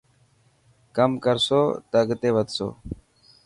ڪم ڪرسو ته اڳتي وڌسو.